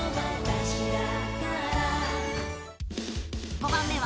［５番目は？］